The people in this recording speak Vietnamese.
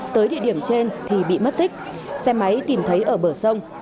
tới địa điểm trên thì bị mất tích xe máy tìm thấy ở bờ sông